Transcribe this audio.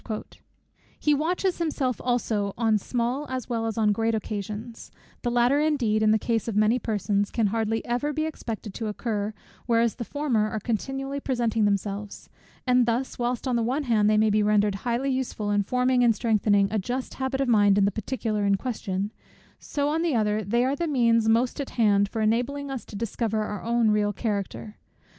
He watches himself also on small as well as on great occasions: the latter indeed, in the case of many persons, can hardly ever be expected to occur, whereas the former are continually presenting themselves: and thus, whilst on the one hand they may be rendered highly useful in forming and strengthening a just habit of mind in the particular in question; so, on the other, they are the means most at hand for enabling us to discover our own real character.